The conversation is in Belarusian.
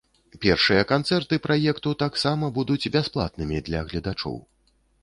Першыя канцэрты праекту таксама будуць бясплатнымі для гледачоў.